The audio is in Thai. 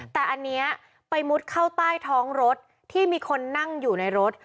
แต่อันนี้ไปมุดเข้าใต้ท้องรถที่มีคนนั่งอยู่ในรถ